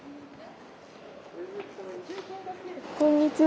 こんにちは。